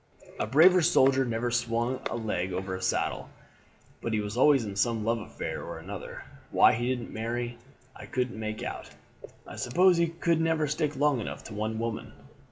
"A braver soldier never swung a leg over saddle; but he was always in some love affair or another. Why he didn't marry I couldn't make out. I suppose he could never stick long enough to one woman.